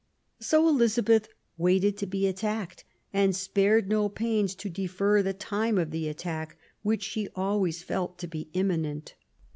So Elizabeth waited to be attacked, and spared no pains to defer the time of the attack, which she always felt to be imminent.